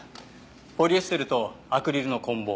ポリエステルとアクリルの混紡。